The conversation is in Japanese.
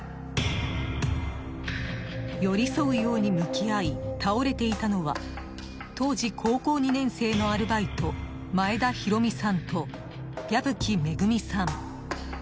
寄り添うように向き合い倒れていたのは当時高校２年生のアルバイト前田寛美さんと、矢吹恵さん。